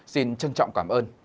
xin trân trọng cảm ơn và hẹn gặp lại